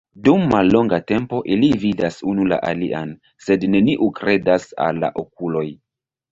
Dum mallonga tempo ili vidas unu la alian, sed neniu kredas al la okuloj.